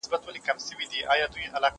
په کاروان کي سو روان د هوښیارانو